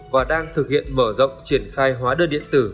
và đang thực hiện mở rộng triển khai hóa đơn điện tử